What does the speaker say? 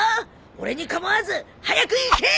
俺に構わず早く行け！